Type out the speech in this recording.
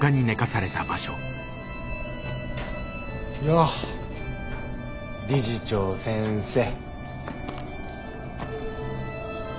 よう理事長先生。